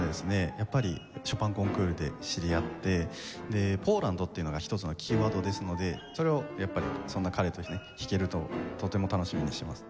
やっぱりショパンコンクールで知り合ってでポーランドっていうのが一つのキーワードですのでそれをやっぱりそんな彼と弾けるととても楽しみにしてます。